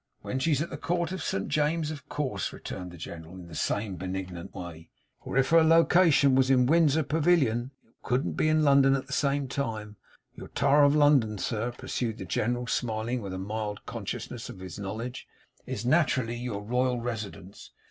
'When she is at the Court of Saint James's, of course,' returned the General, in the same benignant way; 'for if her location was in Windsor Pavilion it couldn't be in London at the same time. Your Tower of London, sir,' pursued the General, smiling with a mild consciousness of his knowledge, 'is nat'rally your royal residence.